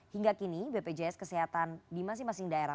hingga kini bpjs kesehatan di masing masing daerah